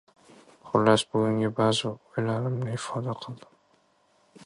Xullas, bugungi baʼzi oʻylarimni ifoda qildim.